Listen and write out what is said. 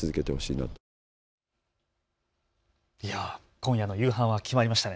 今夜の夕飯は決まりましたね。